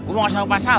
gue mau ngasih hau pasal